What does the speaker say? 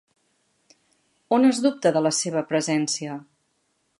On es dubta de la seva presència?